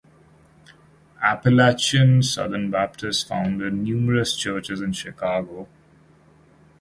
Appalachian Southern Baptists founded numerous churches in Chicago.